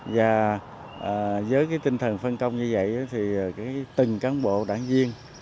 và với tinh thần phân công như vậy thì từng cán bộ đảng viên